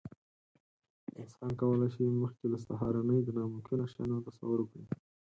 انسان کولی شي، مخکې له سهارنۍ د ناممکنو شیانو تصور وکړي.